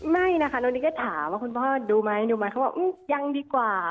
ไม่นะคะตอนนี้ก็ถามว่าคุณพ่อดูมั้ยดูมั้ยเขาก็ว่ายังดีกว่า